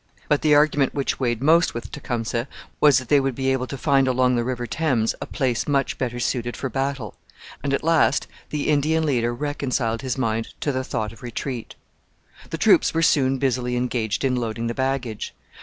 But the argument which weighed most with Tecumseh was that they would be able to find along the river Thames a place much better suited for battle. And at last the Indian leader reconciled his mind to the thought of retreat. The troops were soon busily engaged in loading the baggage.